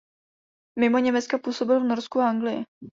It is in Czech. Mimo Německa působil v Norsku a Anglii.